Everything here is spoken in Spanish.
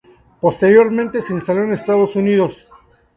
Posteriormente, se instaló en Estados Unidos.